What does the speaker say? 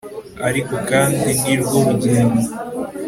ariko kandi nirwo rugendo